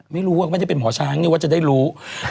ไม่รู้ว่าไม่ได้เป็นหมอช้างนี่ว่าจะได้รู้